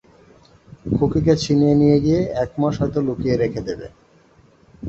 খুকিকে ছিনিয়ে নিয়ে গিয়ে একমাস হয়তো লুকিয়ে রেখে দেবে।